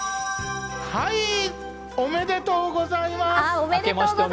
おめでとうございます！